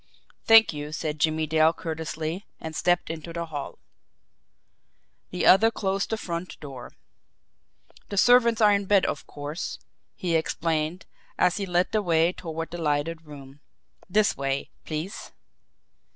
"Thank you," said Jimmie Dale courteously and stepped into the hall. The other closed the front door. "The servants are in bed, of course," he explained, as he led the way toward the lighted room. "This way, please."